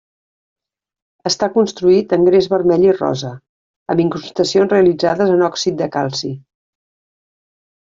Està construït en gres vermell i rosa, amb incrustacions realitzades en òxid de calci.